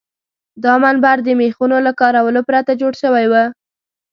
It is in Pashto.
دا منبر د میخونو له کارولو پرته جوړ شوی و.